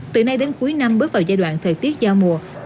từ nay đến cuối năm bước vào giai đoạn thời tiết giao mùa